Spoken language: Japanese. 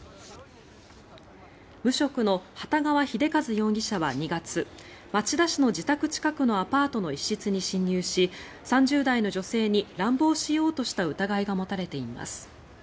無職の幟川秀一容疑者は２月町田市の自宅近くのアパートの一室に侵入し３０代の女性に乱暴しようとした疑いが持たれています。